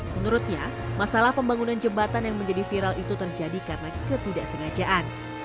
menurutnya masalah pembangunan jembatan yang menjadi viral itu terjadi karena ketidaksengajaan